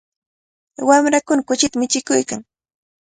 Wamrakuna kuchita michikuykan.